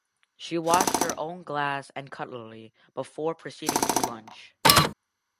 She washed her own glass and cutlery before proceeding to lunch.